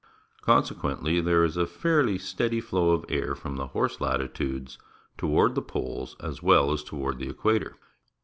Consequently, there is a fairly steady flow of air from the horse latitudes toward the poles as well as toward the equator.